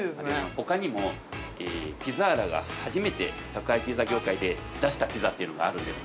◆ほかにもピザーラが初めて宅配ピザ業界で出したピザっていうのがあるんです。